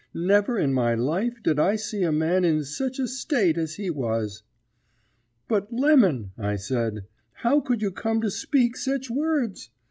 Never in my life did I see a man in sech a state as he was. "'But, Lemon,' I said, 'how could you come to speak sech words?